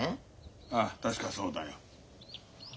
ああ確かそうだよ。